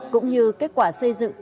cũng như kết quả xây dựng